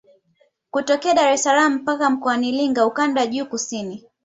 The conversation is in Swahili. Kutokea Dar es salaam mpaka Mkoani Iringa ukanda juu kusini